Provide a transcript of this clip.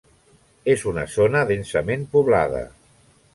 És una zona densament poblada.